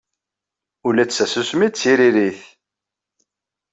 Ula d tasusmi d tiririt.